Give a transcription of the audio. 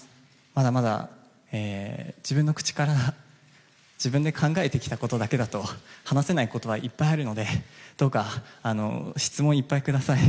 まだまだ自分の口から自分で考えてきたことだけだと話せないことはいっぱいあるのでどうか質問をいっぱいください。